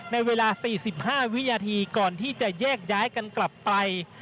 ในเวลา๔๕วินาทีก่อนที่จะแยกย้ายกันกลับไป